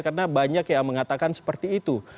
karena banyak yang mengatakan seperti itu